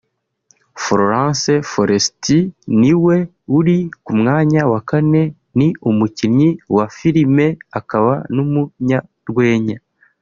Florence Foresti ni we uri ku mwanya wa kane ni umukinnyi wa filime akaba n’umunyarwenya